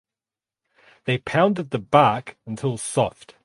They pounded the bark until soft.